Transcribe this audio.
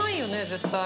絶対。